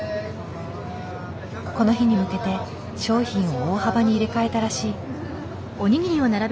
この日に向けて商品を大幅に入れ替えたらしい。